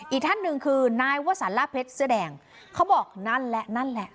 อีกท่านหนึ่งคือนายวสันล่าเพชรเสื้อแดงเขาบอกนั่นแหละนั่นแหละ